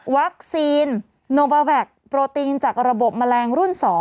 โนบาแวคโปรตีนจากระบบแมลงรุ่น๒